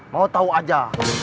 mau tau aja